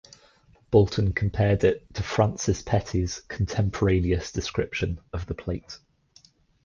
Bolton compared it to Francis Pretty's contemporaneous description of the plate.